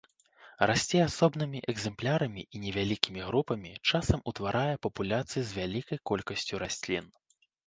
Расце асобнымі экземплярамі і невялікімі групамі, часам утварае папуляцыі з вялікай колькасцю раслін.